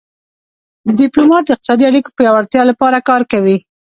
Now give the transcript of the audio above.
ډیپلومات د اقتصادي اړیکو پیاوړتیا لپاره کار کوي